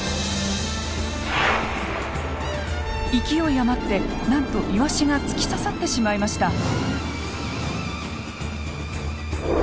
勢い余ってなんとイワシが突き刺さってしまいました。